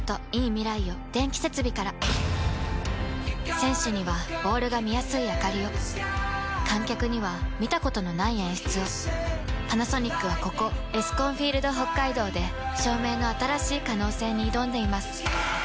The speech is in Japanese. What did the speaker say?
選手にはボールが見やすいあかりを観客には見たことのない演出をパナソニックはここエスコンフィールドＨＯＫＫＡＩＤＯで照明の新しい可能性に挑んでいます